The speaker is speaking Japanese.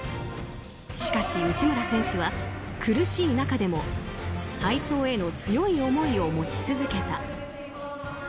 しかし、内村選手は苦しい中でも体操への強い思いを持ち続けた。